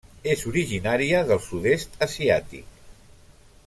És originària del sud-est asiàtic.